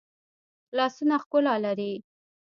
لاسونه ښکلا لري